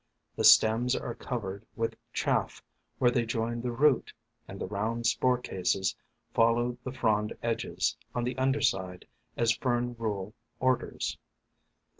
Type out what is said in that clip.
The stems are covered with chaff where they join the root, and the round spore cases follow the frond edges, on the underside as Fern rule orders.